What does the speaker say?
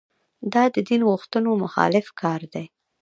دا د دین غوښتنو مخالف کار دی.